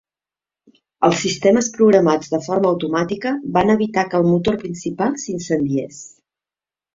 Els sistemes programats de forma automàtica van evitar que el motor principal s'incendiés.